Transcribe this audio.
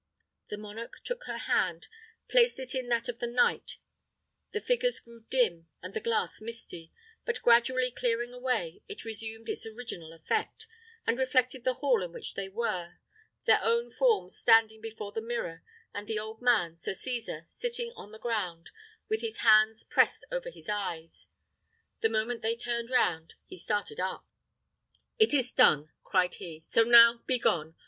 The monarch took her hand; placed it in that of the knight; the figures grew dim and the glass misty; but gradually clearing away, it resumed its original effect, and reflected the hall in which they were, their own forms standing before the mirror, and the old man, Sir Cesar, sitting on the ground, with his hands pressed over his eyes. The moment they turned round, he started up. "It is done!" cried he; "so now, begone!